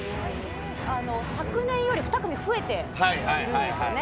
昨年より２組増えているのでね。